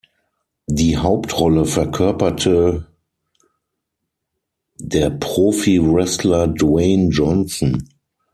Die Hauptrolle verkörperte der Profi-Wrestler Dwayne Johnson.